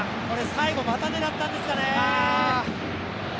最後、股狙ったんですかね。